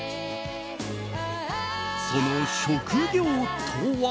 その職業とは？